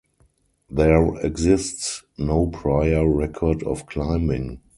There exists no prior record of climbing.